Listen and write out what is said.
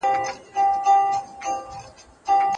مقدساتو ته درناوی وکړئ.